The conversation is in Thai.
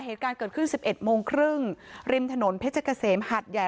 เหตุการณ์เกิดขึ้น๑๑โมงครึ่งริมถนนเพชรเกษมหาดใหญ่